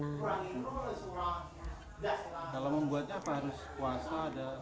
kalau membuatnya harus puasa atau